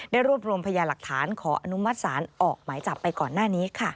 รวบรวมพยาหลักฐานขออนุมัติศาลออกหมายจับไปก่อนหน้านี้ค่ะ